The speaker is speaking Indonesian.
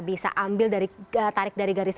bisa ambil dari tarik dari garis